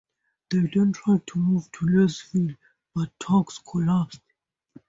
They then tried to move to Louisville, but talks collapsed.